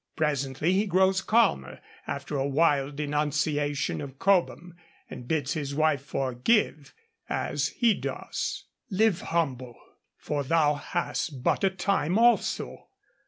Presently he grows calmer, after a wild denunciation of Cobham, and bids his wife forgive, as he does: Live humble, for thou hast but a time also.